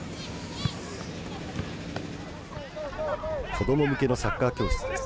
子ども向けのサッカー教室です。